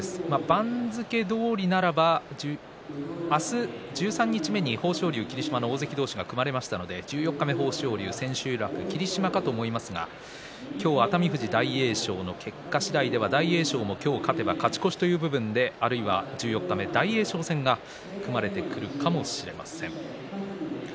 番付どおりならば明日、十三日目に豊昇龍と霧島の大関同士が組まれましたので十四日目に豊昇龍千秋楽は霧島かと思われますが今日の熱海富士と大栄翔の結果次第では大栄翔も今日勝てば勝ち越しというところで十四日目、大栄翔戦が組まれるかもしれません。